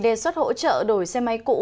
đề xuất hỗ trợ đổi xe máy cũ